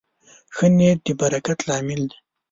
ښه نیت د برکت لامل دی.